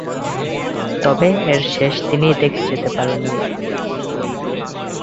তবে এর শেষ তিনি দেখে যেতে পারেননি।